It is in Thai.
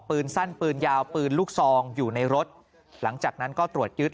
ปืนสั้นปืนยาวปืนลูกซองอยู่ในรถหลังจากนั้นก็ตรวจยึด